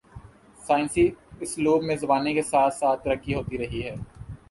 سائنسی اسلوب میں زمانے کے ساتھ ساتھ ترقی ہوتی رہی ہے۔